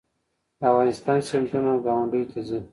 د افغانستان سیندونه ګاونډیو ته ځي